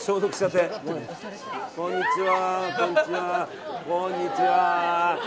こんにちは。